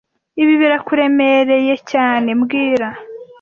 Ibi birakuremereye cyane mbwira